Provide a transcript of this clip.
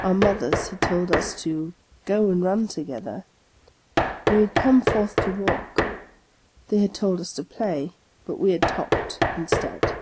Our mothers had told us to " go and run together ;" we had come forth to walk. They had told us to play; but we had talked instead.